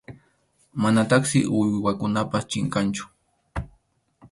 Manataqsi uywakunapas chinkanchu.